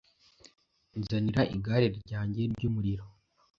Nzanira igare ryanjye ry'umuriro.